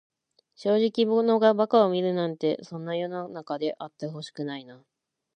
正直者が馬鹿を見るなんて、そんな世の中であってほしくないな。